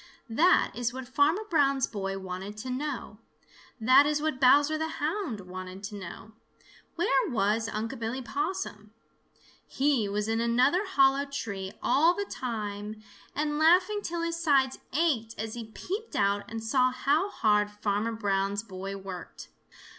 That is what Farmer Brown's boy wanted to know. That is what Bowser the Hound wanted to know. Where was Unc' Billy Possum? He was in another hollow tree all the time and laughing till his sides ached as he peeped out and saw how hard Farmer Brown's boy worked.